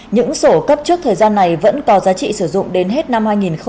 những sổ cấp trước thời gian này vẫn có giá trị sử dụng đến hết năm hai nghìn hai mươi